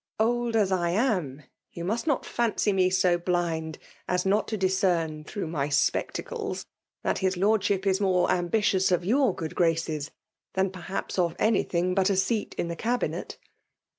Old as I am, you must not fancy me so blind as not to discern FBMA1.B OOWNATIOir* 239 tlmmgh ny spectacles that his lorddiip is more amfaitioos of your good graces than per lisps of anything but a seat in the Cabinet."